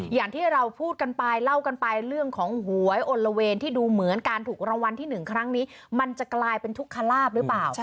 อย่างที่เราพูดกันไปเล่ากันไปเรื่องของหวยอลละเวนที่ดูเหมือนการถูกรางวัลที่๑ครั้งนี้มันจะกลายเป็นทุกขลาบหรือเปล่า